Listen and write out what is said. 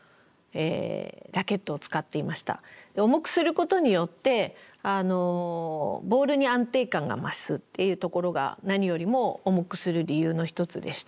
重くすることによってボールに安定感が増すっていうところが何よりも重くする理由の一つでした。